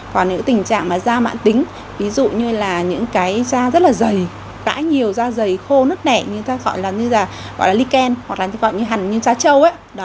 còn những tình trạng da mạng tính ví dụ như da rất dày dãi nhiều da dày khô nứt nẻ gọi là lyken hằn như trá trâu